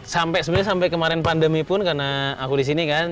sebenarnya sampai kemarin pandemi pun karena aku disini kan